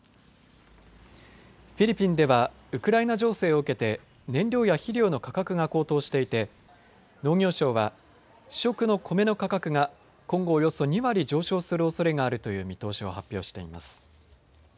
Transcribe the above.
フィリピンではウクライナ情勢を受けて燃料や肥料の価格が高騰していて農業省は主食の米の価格が今後、およそ２割上昇するおそれがあるという見通しを発表しています。